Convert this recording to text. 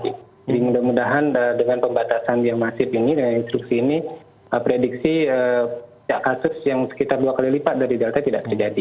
jadi mudah mudahan dengan pembatasan yang masih ini dengan instruksi ini prediksi kasus yang sekitar dua kali lipat dari delta tidak terjadi